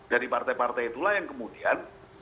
dari partai partai itulah yang kemudian